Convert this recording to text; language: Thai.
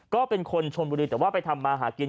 ก็เป็นคนชนบุรีแต่ว่าไปทำมาหากิน